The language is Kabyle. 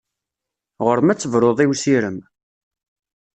Ɣur-m ad tebruḍ i usirem!